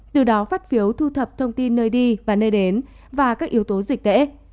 từ đó phát phiếu thu thập thông tin nơi đi và nơi đến và các yếu tố dịch tễ